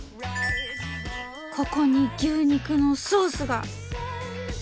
ここに牛肉のソースが！